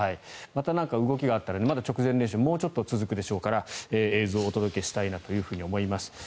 またなんか動きがあったらまだ直前練習はもうちょっと続くでしょうから映像をお届けしたいなと思います。